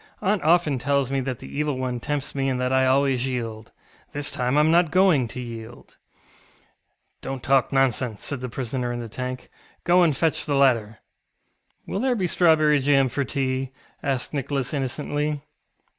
Aunt often tells me that the Evil One tempts me and that I always yield. This time IŌĆÖm not going to yield. ŌĆØ ŌĆ£DonŌĆÖt talk nonsense, ŌĆØ said the prisoner in the tank; ŌĆ£go and fetch the ladder. ŌĆØ ŌĆ£Will there be strawberry jam for tea? ŌĆØ asked Nicholas innocently.